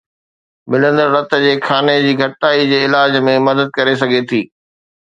ملندڙ رت جي خاني جي گھٽتائي جي علاج ۾ مدد ڪري سگھي ٿي